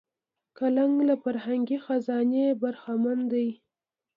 قلم له فرهنګي خزانې برخمن دی